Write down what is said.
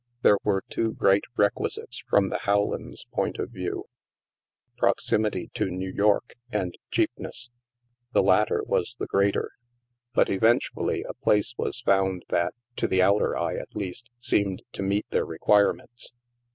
There were two great requisites from the Howlands' point of view : proximity to New York and cheapness. The latter was the greater. But THE MAELSTROM 205 eventually a place was found that, to the outer eye at least, seemed to meet their requirements.